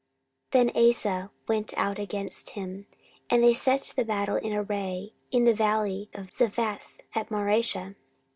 14:014:010 Then Asa went out against him, and they set the battle in array in the valley of Zephathah at Mareshah.